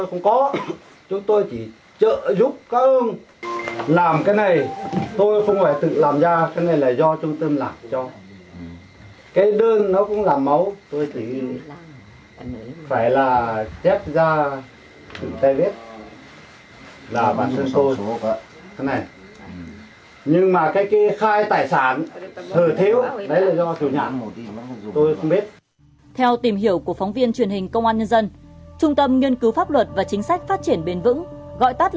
ông điện nhận là tổng đắc viên của trung tâm nghiên cứu pháp luật và chính sách phát triển bền vững